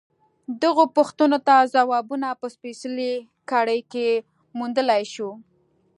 دغو پوښتنو ته ځوابونه په سپېڅلې کړۍ کې موندلای شو.